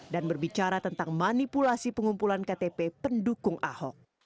dan berbicara tentang manipulasi pengumpulan ktp pendukung ahok